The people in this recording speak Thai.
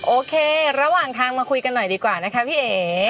ระหว่างทางมาคุยกันหน่อยดีกว่านะคะพี่เอ๋